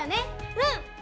うん！